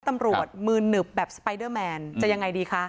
ตำรวจมือหนึบแบบสไปเดอร์แมนจะยังไงดีคะ